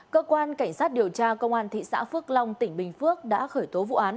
cơ quan cảnh sát điều tra công an thị xã phước long tỉnh bình phước đã khởi tố vụ án